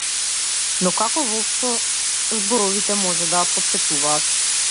Но како воопшто зборовите може да потсетуваат?